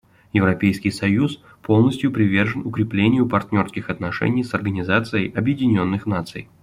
Европейский союз полностью привержен укреплению партнерских отношений с Организацией Объединенных Наций.